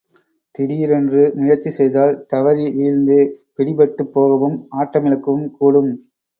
திடீரென்று முயற்சி செய்தால் தவறி வீழ்ந்து, பிடிபட்டுப் போகவும் ஆட்டமிழக்கவும் கூடும்.